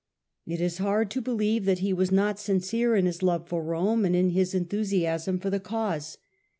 It is hard to believe that he was not sincere in his love for Rome and in his enthusiasm for the cause.